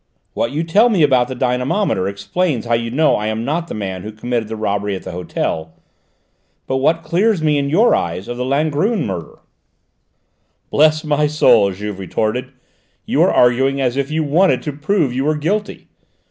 "What you tell me about the dynamometer explains how you know I am not the man who committed the robbery at the hotel, but what clears me in your eyes of the Langrune murder?" "Bless my soul!" Juve retorted, "you are arguing as if you wanted to prove you were guilty.